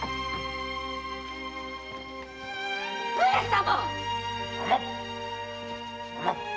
上様！